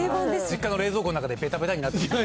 実家の冷蔵庫の中でべたべたになってる。